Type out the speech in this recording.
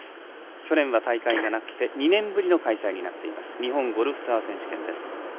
去年は大会がなくて２年ぶりの開催になった日本ゴルフツアー選手権です。